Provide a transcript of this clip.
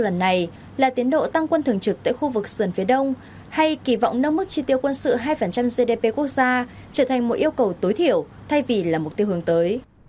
lần này là tiến độ tăng quân thường trực tại khu vực sườn phía đông hay kỳ vọng nâng mức chi tiêu quân sự hai gdp quốc gia trở thành một yêu cầu tối thiểu thay vì là mục tiêu hướng tới